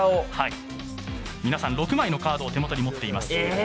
皆さん、６枚のカードを手元に持っています。